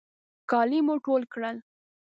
کالي مو ټول کړل.